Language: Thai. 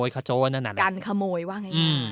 กันขโมยว่าไง